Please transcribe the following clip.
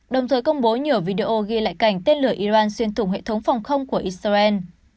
đồng thời công bố nhiều video ghi lại cảnh tên lửa iran xuyên thủng hệ thống phòng không của israel